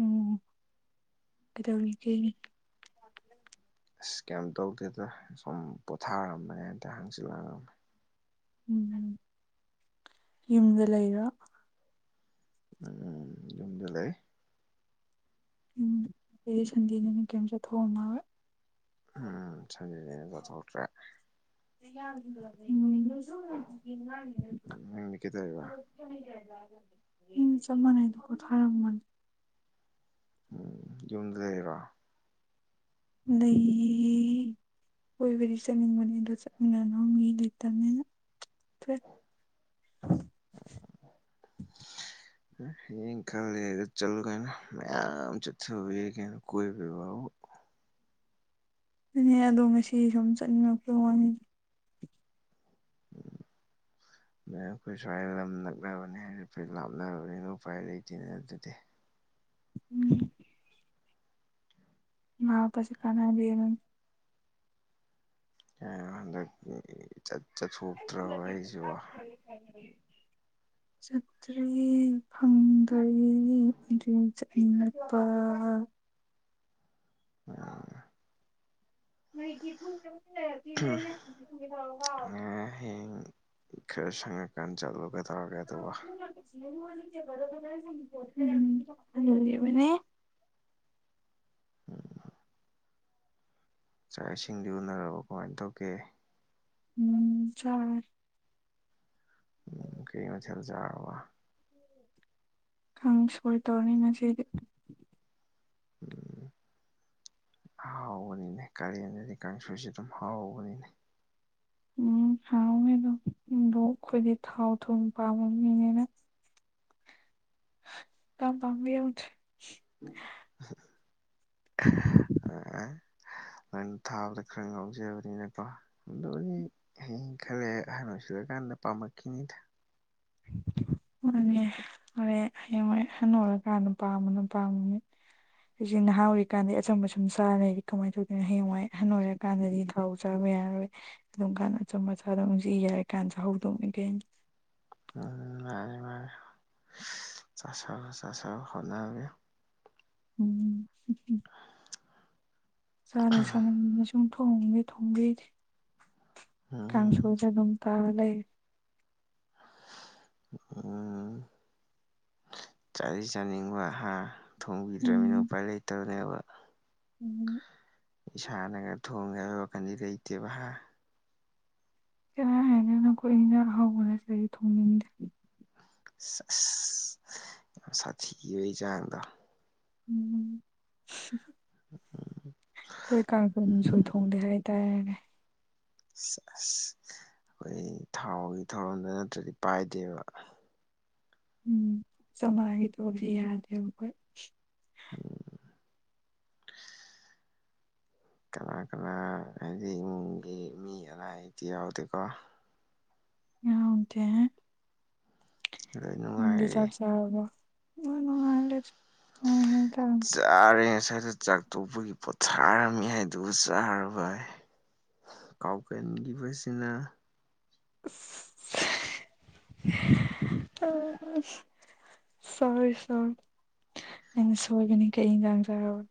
ꯎꯝ ꯀꯩꯗꯧꯔꯤꯒꯦ ꯑꯁ ꯀꯩꯝ ꯇꯧꯗꯦꯗꯥ ꯁꯨꯝ ꯄꯣꯊꯥꯔꯝꯕꯅꯦ ꯍꯥꯢ ꯇꯥꯔꯦ ꯍꯪꯆꯤꯠ ꯂꯥꯡꯉꯝ ꯎꯝ ꯌꯨꯝꯗ ꯂꯩꯔꯣ ꯎꯝ ꯌꯨꯝꯗ ꯂꯩ ꯎꯝ ꯁꯟꯗꯦꯅꯦ ꯀꯩꯝ ꯆꯠꯊꯣꯛꯑꯝꯃꯔꯣꯏ ꯎꯝ ꯁꯟꯗꯦꯅꯤꯅ ꯆꯠꯊꯣꯛꯇ꯭ꯔꯦ [unintelligible] ꯅꯪꯗꯤ ꯀꯩꯗꯧꯔꯤꯕ ꯎꯝ ꯆꯞ ꯃꯥꯟꯅꯩꯗ ꯀꯣ ꯊꯥꯔꯝꯒꯅꯤ ꯎꯝ ꯌꯨꯝꯗ ꯂꯩꯔꯣ ꯂꯩꯌꯦ ꯀꯣꯏꯕꯗꯤ ꯆꯠꯅꯤꯡꯕꯅꯤ ꯑꯗꯣ ꯆꯠꯃꯤꯟꯅꯅ ꯃꯤ ꯂꯤꯇꯅꯤꯅ [inaudible] ꯍꯌꯦꯡ ꯈꯔ ꯂꯩꯔ ꯆꯠꯂꯨ ꯀꯩꯅꯣ ꯃꯌꯥꯝ ꯆꯠꯊꯥꯕ ꯌꯥꯏ ꯀꯩꯅꯣ ꯀꯣꯏꯕꯩ ꯋꯥꯕꯨ ꯑꯗꯨꯅꯦ ꯑꯗꯣ ꯉꯁꯤ ꯁꯨꯝ ꯆꯠꯅꯤꯡꯉꯛꯄ ꯋꯥꯅꯤ ꯑꯗꯨ ꯑꯩꯈꯣꯏ ꯁ꯭ꯋꯥꯏ ꯂꯝ ꯅꯛꯅꯕꯅꯤ ꯍꯥꯏꯗꯤ ꯐꯩ ꯂꯥꯞꯅꯔꯕꯅꯤꯅ ꯎꯄꯥꯏ ꯂꯩꯇꯦꯅꯦ ꯑꯗꯨꯗꯤ ꯎꯝ ꯃꯥꯛ ꯄꯤꯛꯄꯁꯦ ꯀꯅꯥꯗꯦ ꯑꯥ ꯍꯟꯗꯛꯇꯤ ꯆꯠ ꯆꯠꯊꯣꯛꯇ꯭ꯔꯕ ꯑꯩꯁꯨ ꯆꯇ꯭ꯔꯦ ꯐꯪꯗꯔꯦꯅꯦ ꯏꯅꯄꯥ ꯑꯣ ꯅꯣꯏꯗꯤ ꯄꯨꯡ ꯇꯔꯨꯛ ꯇꯔꯨꯛ ꯂꯩꯔꯗꯤ ꯑꯩꯅ ꯍꯡꯒꯦ ꯍꯡꯒꯦ ꯇꯧꯔꯒ ꯀꯥꯎꯌꯦ ꯍꯌꯦꯡ ꯈꯔ ꯁꯪꯉꯀꯥꯟꯗ ꯆꯠꯂꯨ ꯀꯩꯗꯧꯔꯒꯦ ꯑꯗꯨꯕꯣ ꯊꯝꯃꯤꯕꯅꯦ ꯎꯝ [inaudible] ꯆꯥꯛ ꯏꯁꯤꯡꯗꯤ ꯎꯅꯔꯕꯣ ꯀꯃꯥꯏꯅ ꯇꯧꯒꯦ ꯎꯝ ꯆꯥꯔꯦ ꯎꯝ ꯀꯩ ꯏꯟꯁꯥꯡ ꯆꯥꯔꯕ ꯀꯥꯡꯁꯣꯏ ꯇꯧꯔꯅꯤ ꯉꯁꯤꯗꯤ [inaudible] ꯍꯥꯎꯕꯅꯤꯅꯦ ꯀꯥꯂꯦꯟꯗꯗꯤ ꯀꯥꯡꯁꯣꯏꯁꯤ ꯑꯗꯨꯝ ꯍꯥꯎꯕꯅꯤꯅꯦ ꯎꯝ ꯍꯥꯎꯋꯦ ꯑꯗꯣ ꯑꯩꯈꯣꯏꯗꯤ ꯊꯥꯎ ꯊꯨꯝ ꯄꯥꯝꯕ ꯃꯤꯅꯤꯅ ꯌꯥꯝ ꯄꯥꯝꯕ ꯌꯧꯗꯦ ꯑꯥ ꯍꯣꯔꯦꯟ ꯊꯥꯕꯗ ꯈꯔ ꯉꯥꯎꯖꯕꯅꯤꯅꯀꯣ ꯑꯗꯨꯗꯤ ꯍꯌꯦꯡ ꯈꯔ ꯂꯩꯔ ꯑꯍꯜ ꯑꯣꯏꯁꯟꯂꯀꯥꯟꯗ ꯄꯥꯝꯃꯛꯈꯤꯅꯤꯗ [inaudible] ꯃꯥꯅꯦ ꯍꯣꯔꯦꯟ ꯍꯌꯦꯡꯋꯥꯏ ꯍꯅꯨꯔꯀꯥꯟꯗ ꯄꯥꯥꯝꯕꯅ ꯄꯥꯝꯕꯅꯤ ꯍꯧꯖꯤꯛ ꯅꯍꯥ ꯑꯣꯏꯔꯤꯀꯥꯟꯗꯤ ꯑꯆꯝꯕ ꯁꯨꯝ ꯆꯥꯔ ꯂꯩꯔꯗꯤ ꯀꯃꯥꯏꯅ ꯇꯧꯗꯣꯏꯅꯣ ꯍꯌꯦꯡꯋꯥꯏ ꯑꯍꯟ ꯑꯣꯏꯔꯀꯥꯟꯗꯗꯤ ꯑꯗꯨꯝ ꯊꯥꯎ ꯆꯥꯕ ꯌꯥꯔꯔꯣꯏ ꯑꯗꯨꯝ ꯀꯥꯟꯅ ꯑꯆꯝꯕ ꯆꯥꯗꯧꯅꯤ ꯍꯧꯖꯤꯛ ꯌꯥꯔꯤ ꯀꯥꯟꯗ ꯆꯍꯧꯗꯧꯅꯤ ꯀꯩꯅꯣ ꯑꯝ ꯃꯥꯅꯤ ꯃꯥꯅꯤ ꯆꯁꯟꯂꯣ ꯆꯁꯟꯂꯣ ꯍꯣꯠꯅꯕꯤꯌꯨ ꯎꯝ ꯆꯗꯤ ꯆꯅꯤꯡꯉꯤ ꯁꯨꯡ ꯊꯣꯡꯗꯤ ꯊꯣꯡꯕꯤꯗꯦ ꯑꯥ ꯀꯥꯡꯁꯣꯏꯗ ꯑꯗꯨꯝ ꯇꯥꯔꯥ ꯂꯩꯔꯦ ꯑꯥ ꯆꯥꯗꯤ ꯆꯥꯅꯤꯡꯕ ꯍꯥ ꯊꯣꯡꯕꯤꯗ꯭ꯔꯃꯤꯅ ꯎꯝ ꯎꯄꯥꯥꯏ ꯂꯩꯇꯕꯅꯦꯕ ꯎꯝ ꯏꯁꯥꯅꯒ ꯊꯣꯡꯒꯦ ꯍꯥꯏꯕꯒꯤ ꯋꯥꯈꯟꯗꯤ ꯂꯩꯇꯦꯕ ꯍꯥ ꯀꯅꯥ ꯍꯥꯏꯅꯣꯍꯦ ꯑꯩꯈꯣꯏ ꯏꯟꯁꯥꯡ ꯑꯍꯥꯎꯕ ꯅꯠꯇ꯭ꯔꯗꯤ ꯊꯣꯡꯅꯤꯡꯗꯦ ꯑꯁ ꯑꯁ ꯌꯥꯝ ꯁꯥꯊꯤꯕꯩ ꯆꯥꯡꯗꯣ ꯎꯝ ꯎꯝ ꯑꯩꯈꯣꯏ ꯀꯥꯡꯁꯣꯏ ꯅꯨꯡꯁꯣꯏ ꯊꯣꯡꯗꯦ ꯍꯥꯏꯇꯥꯔꯦꯅꯦ ꯁꯦꯁ ꯑꯩꯈꯣꯏ ꯊꯥꯎꯒꯤ ꯊꯧꯔꯝꯗ ꯅꯠꯇ꯭ꯔꯗꯤ ꯄꯥꯏꯗꯦꯕ ꯎꯝ ꯆꯥꯝꯃꯉꯥꯒꯤ ꯇꯧꯕꯁꯤ ꯌꯥꯗꯦꯕ ꯑꯩꯈꯣꯏ ꯎꯝ ꯀꯅꯥ ꯀꯅꯥ ꯍꯥꯏꯗꯤ ꯏꯃꯨꯡꯒꯤ ꯃꯤ ꯑꯅꯥ ꯑꯌꯦꯛꯇꯤ ꯌꯥꯎꯗꯦꯀꯣ ꯌꯥꯎꯗꯦ ꯂꯣꯏ ꯅꯪꯗꯤ ꯅꯨꯡꯉꯥꯏꯔꯤ ꯆꯥꯛ ꯆꯥꯔꯕꯣ [unintelligible] ꯅꯨꯡꯉꯥꯏ ꯍꯥꯏ ꯇꯥꯕꯅꯤ ꯆꯥꯔꯦ ꯉꯁꯥꯏꯗ ꯆꯥꯛ ꯇꯣꯛꯄꯒꯤ ꯄꯣꯠꯊꯥꯔꯝꯃꯤ ꯍꯥꯏꯗꯨꯕꯨ ꯆꯥꯔꯕ ꯍꯥꯏ ꯀꯥꯎꯒꯟꯈꯤꯕꯁꯤꯅ [unintelligible] ꯁꯣꯔꯤ ꯁꯣꯔꯤ ꯑꯩꯅ ꯁꯣꯏꯕꯅꯤ ꯀꯩ ꯏꯟꯖꯥꯡ ꯆꯥꯔꯕ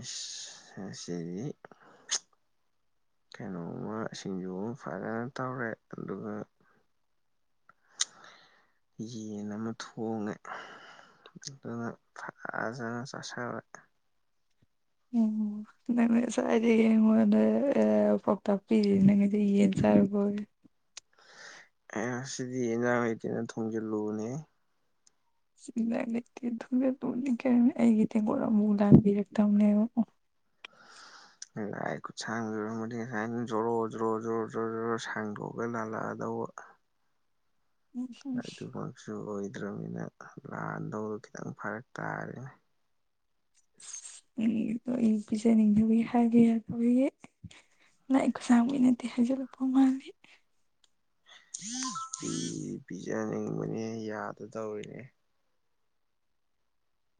ꯑꯁ ꯉꯁꯤꯗꯤ ꯀꯩꯅꯣꯝꯃ ꯁꯤꯡꯖꯨ ꯑꯃ ꯐꯖꯅ ꯇꯧꯔꯦ ꯑꯗꯨꯒ ꯌꯦꯟ ꯑꯃ ꯊꯣꯡꯉꯦ ꯑꯗꯨꯒ ꯐꯖꯅ ꯆꯥꯥꯁꯜꯂꯦ ꯎꯝ ꯅꯪꯅ ꯉꯁꯥꯏꯗꯩ ꯑꯩꯉꯣꯟꯗ ꯑ ꯄꯥꯎꯇꯥꯛ ꯄꯤꯔꯤꯁꯤꯗꯤ ꯅꯪꯅꯗꯤ ꯌꯦꯟ ꯆꯥꯔꯨꯕꯩ ꯑꯣꯏꯔꯦ ꯑꯁ ꯉꯁꯤꯗꯤ ꯏꯟꯖꯥꯡ ꯂꯩꯇꯦꯅ ꯊꯣꯡꯖꯤꯜꯂꯨꯕꯅꯦ ꯁꯤ ꯂꯥꯏ ꯂꯩꯇꯦ ꯑꯗꯨꯗ ꯇꯨꯅꯤ ꯀꯩꯅ ꯑꯩꯒꯤ ꯇꯦꯡꯀꯣꯠ ꯑꯃꯕꯨꯛ ꯂꯥꯟꯕꯤꯔꯛꯇꯕꯅꯦꯕ ꯑꯣ [inaudible] ꯂꯥꯏ ꯈꯨꯠꯁꯥꯡꯕꯤ ꯑꯣꯏꯔꯝꯃꯗꯤ ꯉꯁꯥꯏꯅ ꯖꯣꯔꯣ ꯖꯣꯔꯣ ꯖꯣꯔꯣ ꯖꯣꯔꯣ ꯁꯥꯡꯗꯣꯛꯑꯒ ꯂꯥꯜꯂꯛꯑꯗꯧꯕ ꯑꯗꯨꯃꯛꯁꯨ ꯑꯣꯏꯗ꯭ꯔꯃꯤꯅ ꯂꯥꯟꯗꯧꯗꯣ ꯈꯤꯇꯪ ꯐꯔꯛ ꯇꯥꯔꯦꯅꯦ ꯏꯁ ꯅꯪꯒꯤꯗꯣ ꯑꯩ ꯄꯤꯖꯅꯤꯡꯗꯕꯩ ꯍꯥꯏꯕ ꯌꯥꯝ ꯑꯣꯏꯌꯦ ꯂꯥꯏ ꯈꯨꯠꯁꯥꯡꯕꯤ ꯅꯠꯇꯦ ꯍꯥꯏꯖꯤꯜꯂꯛꯄ ꯃꯥꯜꯂꯦ ꯄꯤꯗꯤ ꯄꯤꯖꯅꯤꯡꯕꯅꯦ ꯌꯥꯗ ꯇꯧꯔꯤꯅꯦ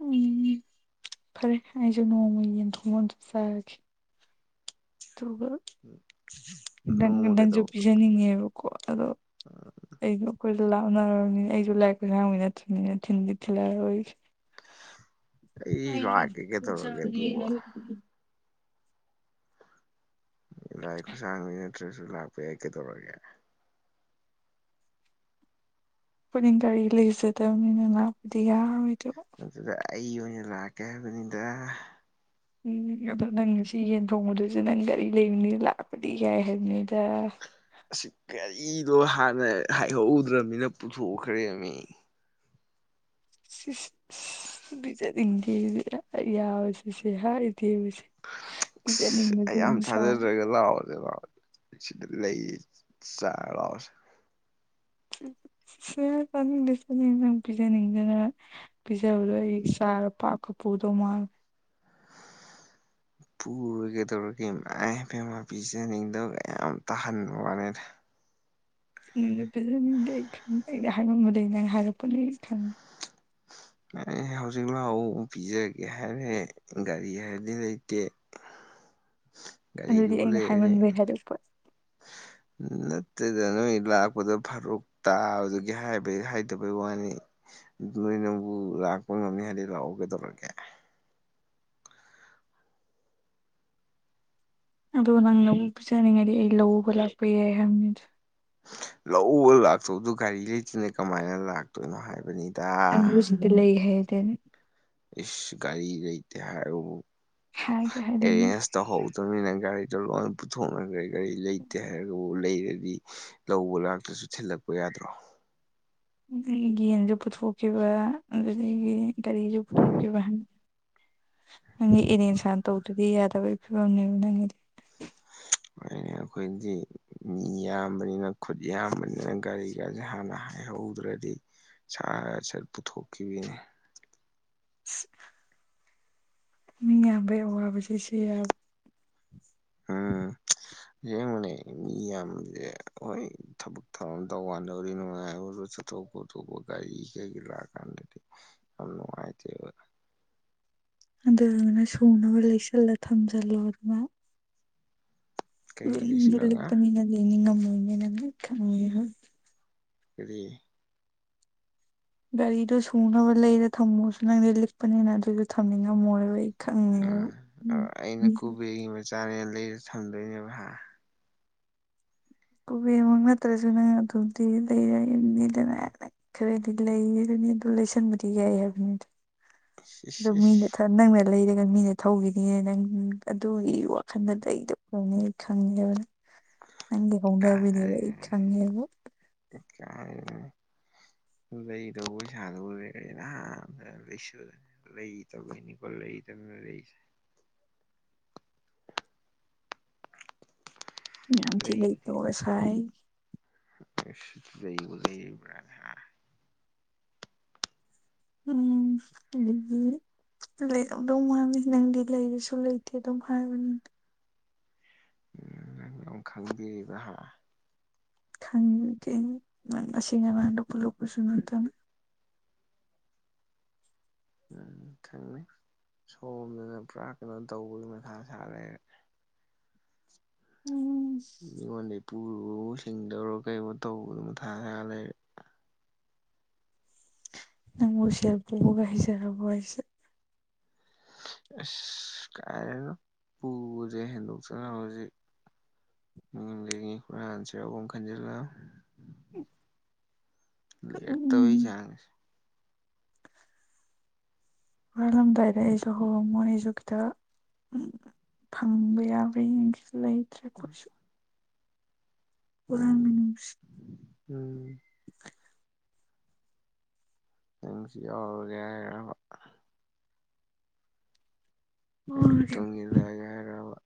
ꯎꯝ ꯐꯔꯦ ꯑꯩꯁꯨ ꯅꯣꯡꯃ ꯌꯦꯟ ꯊꯣꯡꯕ ꯑꯝꯇ ꯆꯥꯒꯦ ꯑꯗꯨꯒ ꯅꯪꯒ ꯅꯣꯡꯃ ꯅꯪꯖꯨ ꯀꯩꯗꯧꯕ ꯄꯤꯖꯅꯤꯡꯉꯦꯕ ꯑꯗꯣ ꯑꯩꯈꯣꯏ ꯂꯥꯞꯅꯔꯕꯅꯤꯅ ꯑꯩꯁꯨ ꯂꯥꯏ ꯈꯨꯠꯁꯥꯡꯕꯤ ꯅꯠꯇꯕꯅꯤꯅ ꯊꯤꯟꯗꯤ ꯊꯤꯟꯗꯤ ꯊꯤꯜꯂꯛꯑꯔꯣꯏꯒꯦ ꯑꯩ ꯂꯥꯛꯀꯦ ꯀꯩꯗꯧꯔꯒꯦ ꯑꯗꯨꯕꯨ [unintelligible] ꯂꯥꯏ ꯈꯨꯠꯁꯥꯡꯕ ꯅꯠꯇ꯭ꯔꯒꯁꯨ ꯂꯥꯛꯄ ꯌꯥꯏ ꯀꯩꯗꯧꯔꯒꯦ ꯑꯩꯈꯣꯏꯗꯤ ꯒꯥꯔꯤ ꯂꯩꯖꯗꯕꯅꯤꯅ ꯂꯥꯛꯄꯗꯤ ꯌꯥꯔꯔꯣꯏꯗꯕ ꯑꯗꯨꯗ ꯑꯩ ꯑꯣꯏꯅ ꯂꯥꯛꯀꯦ ꯍꯥꯏꯕꯅꯤꯗ ꯎꯝ ꯑꯗꯣ ꯅꯪ ꯉꯁꯤ ꯌꯦꯟ ꯊꯣꯡꯕꯗꯨꯁꯨ ꯅꯪ ꯒꯥꯔꯤ ꯂꯩꯕꯅꯤꯅ ꯂꯥꯛꯄꯗꯤ ꯌꯥꯏ ꯍꯥꯏꯕꯅꯤꯗ ꯑꯁꯤ ꯒꯥꯔꯤꯗꯣ ꯍꯥꯟꯅ ꯍꯥꯏꯍꯧꯗ꯭ꯔꯕꯅꯤꯅ ꯄꯨꯊꯣꯛꯈ꯭ꯔꯦꯃꯤ ꯁꯤ ꯁꯤ ꯄꯤꯖꯅꯤꯡꯗꯦꯁꯦ ꯍꯥꯏ ꯌꯥꯕꯁꯦ ꯁꯤꯁꯦ ꯍꯥꯏꯗꯦꯕꯁꯦ ꯑꯁ ꯄꯤꯖꯅꯤꯡꯕꯁꯨ ꯑꯩ ꯌꯥꯝ ꯑꯃꯨꯛ ꯁꯥꯕ ꯊꯥꯖꯗ꯭ꯔꯒ ꯂꯥꯛꯑꯣꯅꯦ ꯂꯥꯛꯑꯣꯅꯦ ꯁꯤꯗ ꯂꯩꯌꯦ ꯆꯥꯔꯣ ꯂꯥꯛꯑꯣꯁꯦ ꯌꯥꯔꯦ ꯌꯥꯔꯦ ꯅꯪ ꯄꯤꯖꯅꯤꯡꯗꯅ ꯄꯤꯖꯕꯗꯣ ꯑꯩ ꯆꯥꯔ ꯄꯥꯞꯀ ꯄꯨꯗꯧ ꯃꯥꯜꯂꯦ ꯄꯨꯔꯣꯏ ꯀꯩꯗꯧꯔꯒꯦ ꯏꯃꯥꯏ ꯄꯦꯝꯃ ꯄꯤꯖꯅꯤꯡꯗꯕꯒ ꯌꯥꯝ ꯇꯥꯍꯟꯕ ꯋꯥꯅꯤꯗ ꯅꯪ ꯄꯤꯖꯅꯤꯡꯗꯦ ꯑꯩ ꯈꯪꯉꯤ ꯑꯩꯅ ꯍꯥꯏꯃꯟꯕꯗꯒꯤ ꯅꯪ ꯍꯥꯏꯔꯛꯄꯅꯦ ꯑꯩ ꯈꯪꯉꯦ ꯅꯪ ꯑꯩ ꯍꯧꯖꯤꯛ ꯂꯥꯛꯑꯣ ꯄꯤꯖꯒꯦ ꯍꯥꯏꯔꯦ ꯒꯥꯔꯤ ꯍꯥꯏꯔꯗꯤ ꯂꯩꯇꯦ ꯑꯗꯨꯗꯤ ꯒꯥꯔꯤꯗꯨꯕꯨ ꯑꯩꯅ ꯂꯩꯔꯦ ꯍꯥꯏꯃꯟꯕꯩ ꯍꯥꯏꯕ ꯅꯠꯇꯦꯗ ꯅꯣꯏꯗ ꯂꯥꯛꯄꯗꯣ ꯐꯔꯛ ꯇꯥꯕꯗꯨꯒꯤ ꯍꯥꯏꯕꯩ ꯍꯥꯏꯗꯕꯩ ꯋꯥꯅꯤ ꯅꯣꯏꯅꯕꯨ ꯂꯥꯛꯄ ꯉꯝꯅꯤ ꯍꯥꯏꯗꯤ ꯂꯥꯛꯑꯣ ꯀꯩꯗꯧꯔꯒꯦ ꯑꯗꯨꯒ ꯅꯪ ꯂꯧꯕꯨꯛ ꯆꯠꯅꯤꯡꯉꯩꯗꯤ ꯑꯩ ꯂꯧꯕ ꯂꯥꯛꯄꯤꯒꯦ ꯍꯥꯏꯕꯅꯤꯗ ꯂꯧꯕ ꯂꯥꯛꯇꯧꯗꯨ ꯒꯥꯔꯤ ꯂꯩꯇꯥꯅ ꯀꯃꯥꯏꯅ ꯂꯥꯛꯇꯣꯏꯅꯣ ꯍꯥꯏꯕꯅꯤꯗ ꯅꯪꯕꯨ ꯍꯧꯖꯤꯛꯇꯤ ꯂꯩ ꯍꯥꯏꯌꯦ [unintelligible] ꯏꯁ ꯒꯥꯔꯤ ꯂꯩꯇꯦ ꯍꯥꯏꯔꯒꯕꯨ ꯍꯥꯏꯗꯤ ꯍꯥꯏꯗꯣꯏꯅꯦ ꯑꯦꯔꯦꯟꯖ ꯇꯧꯍꯧꯗꯝꯅꯤꯅ ꯒꯥꯔꯤꯗꯣ ꯂꯣꯏ ꯄꯨꯊꯣꯛꯅꯈ꯭ꯔꯦ ꯒꯥꯔꯤ ꯂꯩꯇꯦ ꯍꯥꯏꯔꯒ ꯂꯩꯔꯗꯤ ꯂꯧꯕ ꯂꯥꯛꯇ꯭ꯔꯁꯨ ꯊꯤꯜꯂꯛꯄ ꯌꯥꯗ꯭ꯔꯣ ꯑꯗꯒꯤ ꯌꯦꯟꯁꯨ ꯄꯨꯊꯣꯛꯈꯤꯕ ꯑꯗꯨꯗꯒꯤ ꯒꯥꯔꯤꯁꯨ ꯄꯨꯊꯣꯛꯈꯤꯕ ꯍꯥꯏꯕ ꯅꯪꯗꯤ ꯑꯦꯔꯦꯁ ꯍꯥꯟꯅ ꯇꯧꯗ꯭ꯔꯗꯤ ꯌꯥꯗꯕꯒꯤ ꯐꯤꯕꯝꯅꯦꯕ ꯅꯪꯒꯤꯗꯤ ꯑꯗꯨꯅ [inaudible] ꯑꯩꯈꯣꯏꯗꯤ ꯃꯤ ꯌꯥꯝꯕꯅꯤꯅ ꯈꯨꯠ ꯌꯥꯝꯕꯅꯤꯅ ꯒꯥꯔꯤꯒꯥꯁꯦ ꯍꯥꯟꯅ ꯍꯥꯏꯍꯧꯗ꯭ꯔꯗꯤ ꯁꯥꯠ ꯁꯥꯠ ꯄꯨꯊꯣꯛꯈꯤꯕꯤꯅꯤ ꯑ [inaudible] ꯃꯤ ꯌꯥꯝꯕꯒꯤ ꯑꯋꯥꯕꯁꯤ ꯁꯤꯔꯕꯥ ꯑꯝ ꯌꯦꯡꯉꯨꯅꯦ ꯃꯤ ꯌꯥꯝꯃꯗꯤ ꯍꯣꯏ ꯊꯕꯛ ꯊꯧꯔꯝ ꯇꯧꯒꯥꯟꯗꯕꯨ ꯅꯨꯡꯉꯥꯏꯕꯨ ꯇꯧꯕꯣ ꯇꯧꯕꯣ ꯒꯥꯔꯤꯒꯤ ꯀꯩꯒꯤ ꯂꯥꯛꯒꯥꯟꯗꯗꯤ ꯌꯥꯝ ꯅꯨꯡꯉꯥꯏꯇꯦꯕ ꯑꯗꯨꯅ ꯁꯨꯅꯕ ꯂꯩꯁꯤꯜꯂ ꯊꯝꯖꯤꯜꯂꯣ ꯑꯗꯨꯅ ꯀꯔꯤ ꯂꯤꯛꯇꯤ ꯂꯩꯁꯤꯜꯂꯒ ꯂꯤꯛꯄꯅꯤꯅ ꯂꯩꯅꯤꯡꯉꯝꯃꯣꯢꯅꯦ ꯅꯪꯗꯤ ꯈꯪꯉꯦꯕ ꯀꯔꯤ ꯒꯥꯔꯤꯗꯣ ꯁꯨꯅꯕ ꯂꯩꯔ ꯊꯝꯃꯣꯁꯨ ꯅꯪꯗꯤ ꯂꯤꯛꯄꯅꯤꯅ ꯑꯗꯨꯏꯁꯨ ꯊꯝꯅꯤꯡꯉꯝꯃꯣꯏꯕ ꯎꯝ ꯈꯪꯉꯦꯕ ꯑꯩꯅ ꯀꯣꯕꯦꯔꯒꯤ ꯃꯆꯥꯅꯤꯅ ꯂꯩꯔ ꯊꯝꯗꯣꯏꯅꯦꯕ ꯀꯨꯕꯦꯔ ꯃꯛ ꯅꯠꯇ꯭ꯔꯁꯨ ꯅꯪ ꯑꯗꯨꯝꯗꯤ ꯂꯩꯕ ꯉꯝꯅꯤꯗꯅ ꯈꯔꯗꯤ ꯂꯩꯅꯤ ꯑꯗꯨ ꯂꯩꯁꯟꯕꯗꯤ ꯌꯥꯏ ꯍꯥꯏꯕꯅꯤꯗ ꯑꯗꯨ ꯏꯁ ꯃ [unintelligible] ꯏꯁ ꯏꯁ ꯆ ꯅꯪꯅ ꯂꯩꯔꯒ ꯃꯤꯅ ꯊꯧꯈꯤꯅꯤ ꯅꯪ ꯑꯗꯨꯒꯤ ꯋꯥꯈꯜꯗ ꯂꯩꯗꯕ ꯑꯣꯢꯔꯝꯅꯤꯕ ꯈꯪꯉꯦꯕ ꯅꯪ ꯅꯪꯒꯤ ꯍꯧꯅꯕꯤꯅꯦꯕ ꯑꯩ ꯈꯪꯉꯦꯕ [unintelligible] ꯑꯗꯨ ꯂꯩꯅꯕ ꯄꯩꯁꯥꯗꯨꯕꯨ ꯂꯩꯔꯗꯤ ꯅꯍꯥꯟꯅ ꯂꯨꯁꯜꯂꯅꯤ ꯂꯩꯗꯕꯒꯤꯅꯤ ꯂꯩꯗꯅ ꯂꯩꯔꯤꯁꯦ ꯌꯥꯝ ꯊꯤ ꯂꯩ ꯂꯩꯕꯨ ꯂꯩꯇꯕ [unintelligible] ꯁꯥꯏ [unintelligible] [unintelligible] ꯂꯩꯕꯨ ꯂꯩꯕ꯭ꯔꯥꯅꯦ ꯍꯥ ꯑꯝ [inaudible] ꯂꯩꯔꯝ ꯗꯧ ꯃꯥꯜꯂꯤ ꯅꯪꯗꯤ ꯂꯩꯔꯁꯨ ꯂꯩꯇꯦ ꯑꯗꯨꯝ ꯍꯥꯏꯕꯅꯤꯅ ꯅꯪꯅꯃꯨꯛ ꯈꯪꯕꯤꯔꯤꯕ ꯍꯥ ꯈꯪꯉꯤ ꯀꯩꯅꯣ ꯅꯪ ꯉꯁꯤ ꯉꯔꯥꯡꯗ ꯄꯨꯜꯂꯛꯄꯁꯨ ꯅꯠꯇꯅ ꯎꯝ ꯈꯪꯅꯤ ꯁꯣꯝꯗꯅ ꯄꯨꯔꯥ ꯀꯩꯅꯣ ꯇꯧꯕꯒꯤ ꯃꯊꯥ ꯁꯥ ꯂꯩꯔꯦ ꯎꯝ ꯃꯤꯉꯣꯟꯗꯩ ꯄꯨꯔꯨꯕꯕꯧ ꯁꯤꯡꯗꯕ꯭ꯔꯥ ꯀꯩꯅꯣ ꯇꯧꯕꯗꯣ ꯃꯊꯥ ꯁꯔꯥꯒ ꯂꯩꯔꯦ ꯅꯪꯕꯨ ꯁꯦꯜ ꯄꯨꯕꯒ ꯍꯩꯖꯔꯕꯣ ꯍꯥꯏꯁꯦ ꯑꯁ ꯀꯥꯏꯗꯩꯅꯣ ꯄꯨꯕꯗꯒꯤ ꯍꯦꯟꯗꯣꯛꯇꯅ ꯍꯧꯖꯤꯛ [unintelligible] [unintelligible] [unintelligible] ꯂꯩꯔꯛꯇꯕꯒꯤ ꯎꯝ ꯆꯥꯡꯁꯦ ꯍꯨꯔꯥꯜꯂꯝꯗꯥꯏꯗ ꯑꯩꯁꯨ ꯍꯥꯎꯔꯝꯃꯣ ꯑꯩꯁꯨ ꯈꯤꯇꯥ ꯐꯪꯕ ꯌꯥꯕ꯭ꯔꯥ ꯌꯦꯡꯒꯤ ꯂꯩꯇ꯭ꯔꯦ ꯑꯈꯣꯏꯁꯨ ꯎꯝ ꯍꯨꯔꯥꯟꯃꯤꯅꯨꯡꯁꯤ ꯎꯝ [inaudible] ꯅꯪꯁꯨ ꯌꯥꯎꯔꯒꯦ ꯍꯥꯏꯔꯕ ꯎꯝ [unintelligible] ꯇꯨꯡꯏꯂꯛ ꯑꯒꯦ ꯍꯥꯏꯔꯕ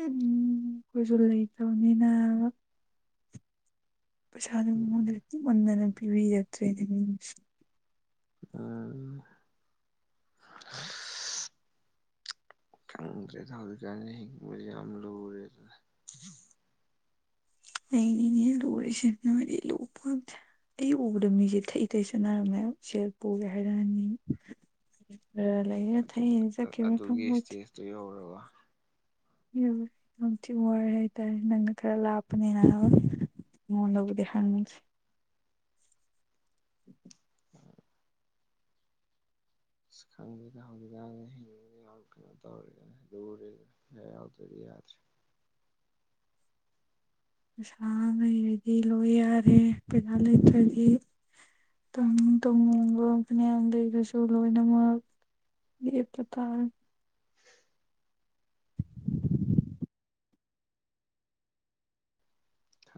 ꯎꯝ ꯀꯣꯏꯁꯨ [unintelligible] ꯂꯩ ꯇꯕꯅꯤꯅꯕ ꯄꯩꯁꯥꯅ ꯃꯤꯑꯣꯟꯗꯒꯤ ꯄꯨꯃꯟꯗꯅ ꯄꯤꯕꯤꯔꯛꯇꯔꯦꯅꯦ ꯃꯤꯅ [unintelligible] ꯎꯝ [unintelligible] ꯈꯪꯗ꯭ꯔꯦꯗ ꯍꯧꯖꯤꯛꯀꯥꯟ ꯍꯤꯡꯕ ꯌꯥꯝ ꯂꯨꯔꯦꯗꯅ ꯑꯩꯅꯤꯅꯦ ꯂꯨꯔꯤꯁꯦ ꯅꯣꯏꯗꯤ ꯂꯨꯄꯣꯟꯇꯦ ꯑꯩ ꯎꯕꯗ ꯃꯤꯁꯦ ꯊꯩ-ꯊꯩ ꯆꯠꯅꯔꯝꯅꯦ ꯍꯥꯏꯕ ꯁꯦꯜ ꯄꯨꯒꯦ ꯍꯥꯏꯔꯛꯑꯅꯤꯅ ꯈꯔ ꯂꯩꯔ ꯊꯩ ꯆꯠꯈꯤꯕ꯭ꯔꯥ ꯈꯪꯄꯣꯟꯇꯦ ꯑꯗꯨ [unintelligible] ꯑꯣꯏꯔꯔꯕ [unintelligible] ꯎꯝ [unintelligible] ꯌꯥꯝꯊꯤ ꯋꯥꯔꯦ ꯍꯥꯏꯇꯥꯔꯦ ꯅꯪꯅ ꯈꯔ ꯂꯥꯞꯄꯅꯦꯅ ꯑꯩ [unintelligible] ꯅꯉꯣꯟꯗꯕꯨꯗꯤ ꯍꯪꯗꯔꯦ [inaudible] ꯑ꯭ꯁ ꯈꯪꯗꯦꯗ ꯍꯧꯖꯤꯛꯖꯦ ꯍꯤꯡꯕꯗ ꯌꯥꯝ ꯀꯩꯅꯣ ꯇꯧꯔꯦꯗ ꯂꯨꯔꯦꯗ ꯄꯩꯁꯥ ꯌꯥꯎꯗ꯭ꯔꯗꯤ ꯌꯥꯗꯔꯦ ꯄꯩꯁꯥ ꯂꯩꯔꯗꯤ ꯂꯣꯏ ꯌꯥꯔꯦ ꯄꯩꯁꯥ ꯂꯩꯇ꯭ꯔꯗꯤ ꯇꯧꯅꯤꯡ-ꯇꯧꯅꯤꯡꯕ ꯐꯅꯌꯥꯝꯂꯩꯔꯁꯨ ꯂꯣꯏꯅꯃꯛ ꯂꯦꯞꯄ ꯇꯥꯕꯅꯤ [unintelligible] ꯊꯥ